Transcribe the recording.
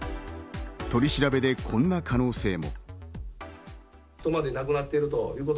取り調べでこんな可能性も。